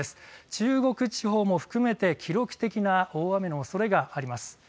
中国地方も含めて記録的な大雨のおそれがあります。